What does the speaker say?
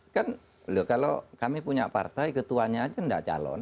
kan kalau kami punya partai ketuanya aja nggak calon